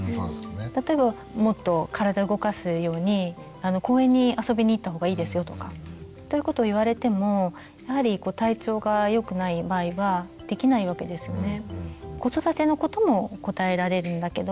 例えば「もっと体動かすように公園に遊びに行った方がいいですよ」とか。ということを言われてもやはり体調が良くない場合はできないわけですよね。